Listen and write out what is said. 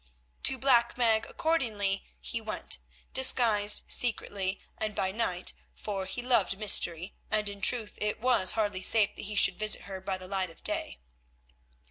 To Black Meg accordingly he went, disguised, secretly and by night, for he loved mystery, and in truth it was hardly safe that he should visit her by the light of day.